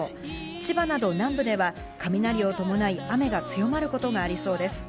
千葉など南部では雷を伴い雨が強まることがありそうです。